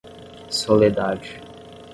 Soledade